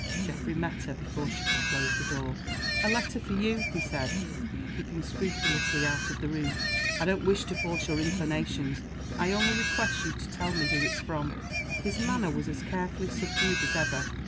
Geoffrey met her before she could close the door. "A letter for you," he said, keeping scrupulously out of the room. "I don't wish to force your inclinations I only request you to tell me who it's from." His manner was as carefully subdued as ever.